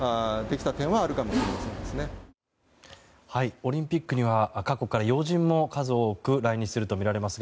オリンピックには過去には要人も数多く来日するとみられますが